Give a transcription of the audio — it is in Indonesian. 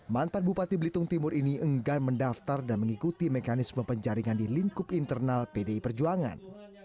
mantan bupati belitung timur ini enggan mendaftar dan mengikuti mekanisme penjaringan di lingkup internal pdi perjuangan